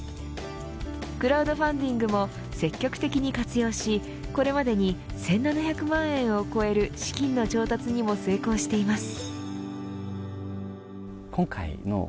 クラウドファンディングも積極的に活用しこれまでに１７００万円を超える資金の調達にも成功しています。